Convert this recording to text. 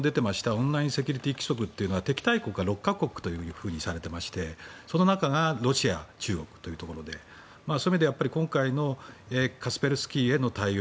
オンラインセキュリティー規則は敵対国が６か国とされていましてその中がロシア、中国ということでそういう意味では今回のカスペルスキーへの対応